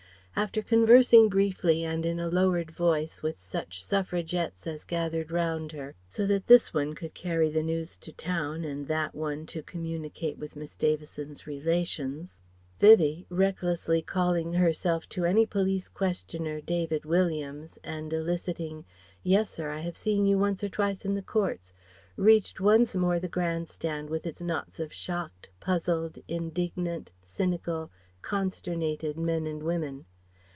After conversing briefly and in a lowered voice with such Suffragettes as gathered round her, so that this one could carry the news to town and that one his to communicate with Miss Davison's relations, Vivie recklessly calling herself to any police questioner, "David Williams" and eliciting "Yes, sir, I have seen you once or twice in the courts," reached once more the Grand Stand with its knots of shocked, puzzled, indignant, cynical, consternated men and women.